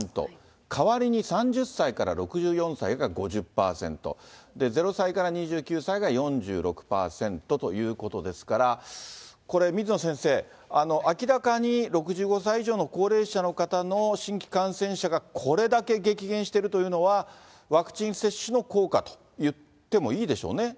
代わりに３０歳から６４歳が５０％、０歳から２９歳が４６％ということですから、これ、水野先生、明らかに６５歳以上の高齢者の方の新規感染者がこれだけ激減しているというのは、ワクチン接種の効果といってもいいでしょうね。